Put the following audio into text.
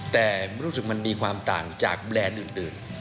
แต่รู้สึกมันมีความต่างจากแบรนด์อื่น